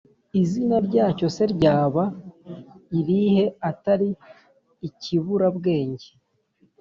Izina ryacyo se ryaba irihe, atari ikiburabwenge.